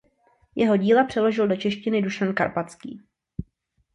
Jeho díla přeložil do češtiny Dušan Karpatský.